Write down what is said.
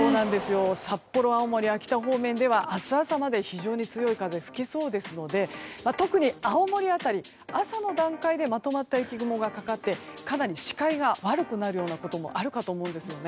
札幌、青森、秋田方面では明日朝まで非常に強い風が吹きそうですので特に青森辺り朝の段階でまとまった雪雲がかかって、かなり視界が悪くなるようなこともあるかと思うんですよね。